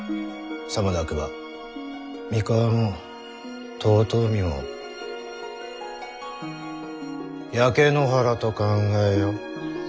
さもなくば三河も遠江も焼け野原と考えよ。